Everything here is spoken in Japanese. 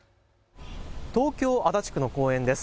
東京足立区の公園です。